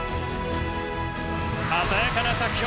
鮮やかな着氷！